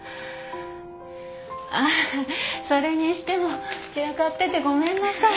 ああそれにしても散らかっててごめんなさい。